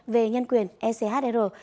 về nhân quyền echr